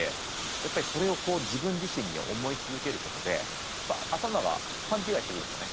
やっぱりそれをこう自分自身に思い続けることでやっぱ頭が勘違いしてくるんですよね。